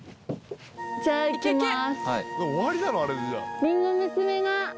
じゃあ行きます。